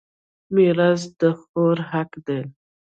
میراث د خور حق دی.